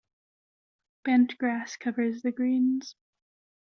Bent grass covers the greens.